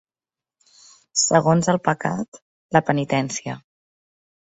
Segons el pecat, la penitència.